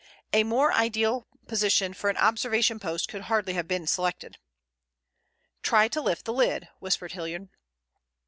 A more ideal position for an observation post could hardly have been selected. "Try to lift the lid," whispered Hilliard.